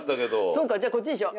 そうかじゃあこっちにしよう。